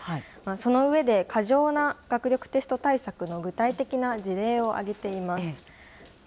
その上で、過剰な学力テスト対策の具体的な事例を挙げています。